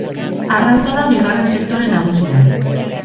Arrantza da bigarren sektore nagusia.